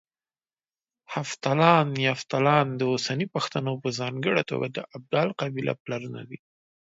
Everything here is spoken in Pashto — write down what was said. هفتلان، يفتالان د اوسني پښتنو په ځانګړه توګه د ابدال قبيله پلرونه دي